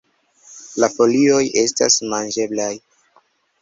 La folioj estas manĝeblaj.